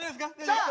さあ。